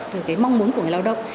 từ cái mong muốn của người lao động